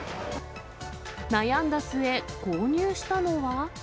悩んだ末、購入したのは。